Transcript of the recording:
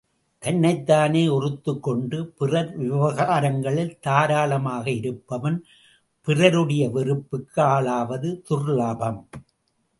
தன்னைத்தானே ஒறுத்துக் கொண்டு, பிறர் விவகாரங்களில் தாராளமாக இருப்பவன், பிறருடைய வெறுப்புக்கு ஆளாவது துர்லபம்!